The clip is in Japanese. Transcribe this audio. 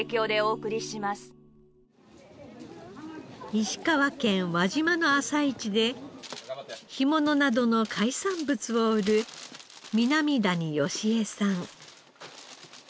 石川県輪島の朝市で干物などの海産物を売る南谷良枝さん。